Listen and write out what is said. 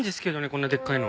こんなでっかいの。